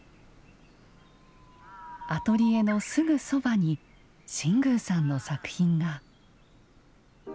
アトリエのすぐそばに新宮さんの作品が。